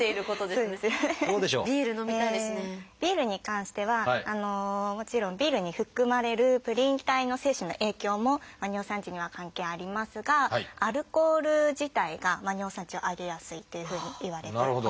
ビールに関してはもちろんビールに含まれるプリン体の摂取の影響も尿酸値には関係ありますがアルコール自体が尿酸値を上げやすいっていうふうにいわれております。